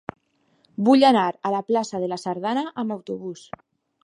Vull anar a la plaça de la Sardana amb autobús.